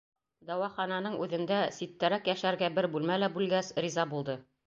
Дауахананың үҙендә, ситтәрәк йәшәргә бер бүлмә лә бүлгәс, риза булды.